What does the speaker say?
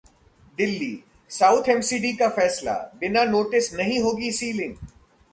Delhi: south MCD का फैसला, बिना नोटिस नहीं होगी सीलिंग